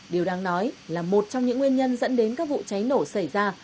điều đáng nói là một trong những nguyên nhân dẫn đến các vụ cháy nổ xảy ra